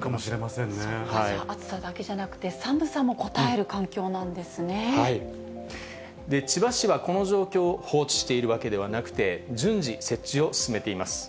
暑さだけじゃなくて、千葉市はこの状況を放置しているわけではなくて、順次、設置を進めています。